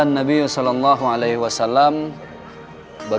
kembali ke tempat lu juga